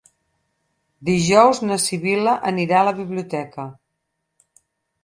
Dijous na Sibil·la anirà a la biblioteca.